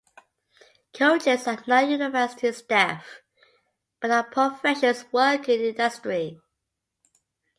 Coaches are not university staff, but are professionals working in industry.